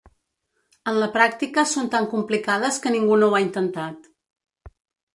En la pràctica són tan complicades que ningú no ho ha intentat.